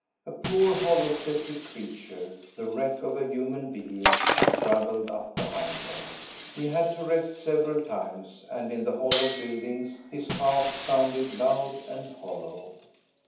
A poor hollow chested creature, the wreck of a human being, struggled up behind her. He had to rest several times, and in the hollow building his cough sounded loud and hollow.